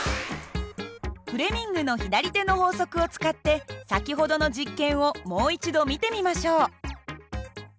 フレミングの左手の法則を使って先ほどの実験をもう一度見てみましょう。